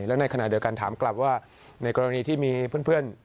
แล้วในขณะเดียวกันถามกลับว่าในกรณีที่มีเพื่อน